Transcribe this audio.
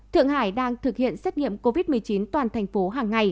thượng hải đang thực hiện xét nghiệm covid một mươi chín toàn thành phố